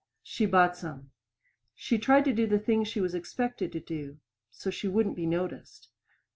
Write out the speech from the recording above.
She bought some. She tried to do the thing she was expected to do so she wouldn't be noticed.